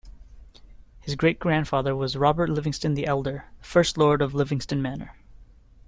His great-grandfather was Robert Livingston the Elder, first lord of Livingston Manor.